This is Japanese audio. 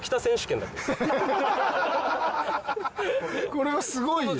これはすごいよ。